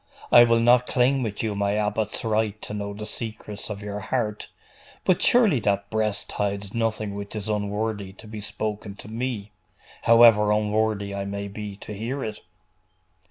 I will not claim with you my abbot's right to know the secrets of your heart: but surely that breast hides nothing which is unworthy to be spoken to me, however unworthy I may be to hear it!